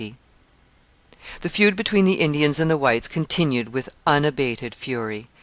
The feud between the Indians and the whites continued with unabated fury.